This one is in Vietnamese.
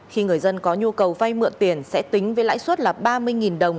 khi người dân có nhu cầu vay mượn tiền sẽ tính với lãi suất là ba mươi đồng